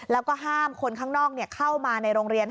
แล้วก็ห้ามคนข้างนอกเข้ามาในโรงเรียน